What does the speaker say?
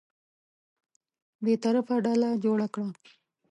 بېطرفه ډله جوړه کړه.